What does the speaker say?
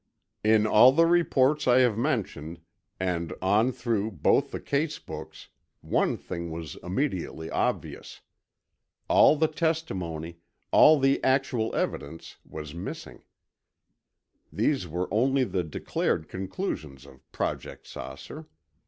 In all the reports I have mentioned, and on through both the case books, one thing was immediately obvious. All the testimony, all the actual evidence was missing. These were only the declared conclusions of Project "Saucer."